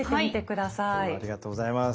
ありがとうございます。